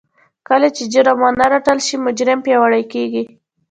کله چې جرم ونه رټل شي مجرم پياوړی کېږي.